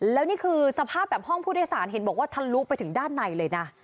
แล้วนี่คือสภาพแบบห้องผู้โดยสารเห็นบอกว่าทะลุไปถึงด้านในเลยนะ